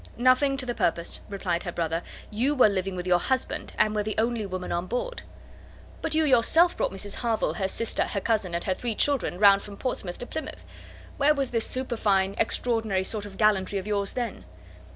"Nothing to the purpose," replied her brother. "You were living with your husband, and were the only woman on board." "But you, yourself, brought Mrs Harville, her sister, her cousin, and three children, round from Portsmouth to Plymouth. Where was this superfine, extraordinary sort of gallantry of yours then?"